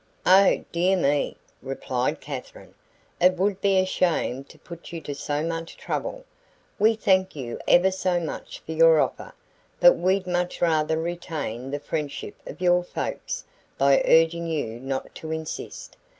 "Oh dear me," replied Katherine; "it would be a shame to put you to so much trouble. We thank you ever so much for your offer, but we'd much rather retain the friendship of your folks by urging you not to insist.